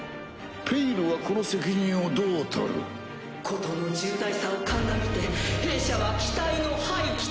「ペイル」はこの責任をどう取る？事の重大さを鑑みて弊社は機体の廃棄と。